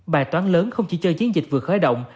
bài toán lớn không chỉ cho chiến dịch vừa khởi động